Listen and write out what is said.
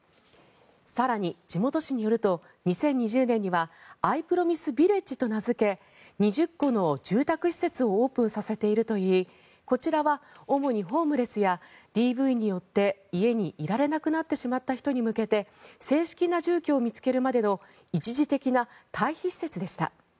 更に、地元紙によると２０２０年にはＩＰｒｏｍｉｓｅビレッジと名付け２０戸の住宅施設をオープンさせているといいこちらは、主にホームレスやＤＶによって、家にいられなくなってしまった人に向けて正式な住居を見つけるまでの一時的な退避施設でした。